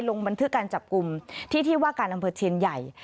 ลงบันทึกการจับกลุ่มที่ที่ว่าการอำเภอเชียนใหญ่